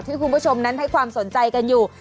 คุณผู้ชมนั้นให้ความสนใจกันอยู่